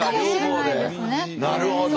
なるほど。